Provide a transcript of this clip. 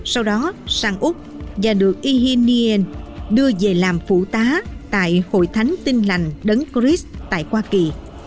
sau đó sang úc và được ihin nien đưa về làm phụ tá tại hội thánh tinh lành đấng cris tại hoa kỳ